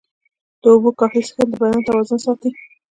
د اوبو کافي څښل د بدن توازن ساتي.